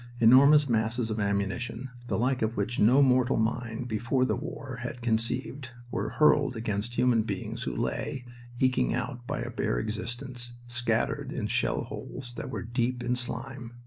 "Enormous masses of ammunition, the like of which no mortal mind before the war had conceived, were hurled against human beings who lay, eking out but a bare existence, scattered in shell holes that were deep in slime.